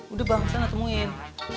udah bang sana temuin